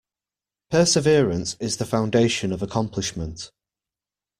Perseverance is the foundation of accomplishment.